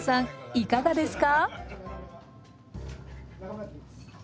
いかがですか？